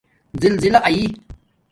زِزِلا آئئ